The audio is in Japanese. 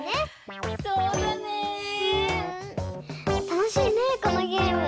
たのしいねこのゲーム。